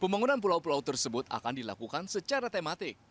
pembangunan pulau pulau tersebut akan dilakukan secara tematik